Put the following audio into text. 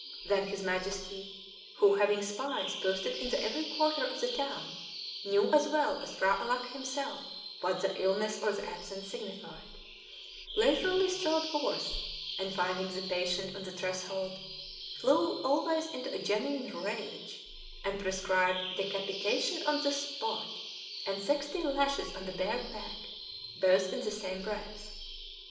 Then his Majesty (who, having spies posted in every quarter of the town, knew as well as P'hra Alâck himself what the illness or the absence signified) leisurely strolled forth, and, finding the patient on the threshold, flew always into a genuine rage, and prescribed "decapitation on the spot," and "sixty lashes on the bare back," both in the same breath.